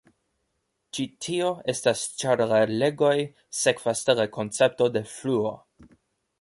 Ĉi tio estas ĉar la leĝoj sekvas de la koncepto de fluo.